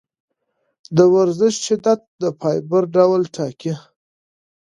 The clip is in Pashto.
د ورزش شدت د فایبر ډول ټاکي.